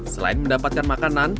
selain mendapatkan makanan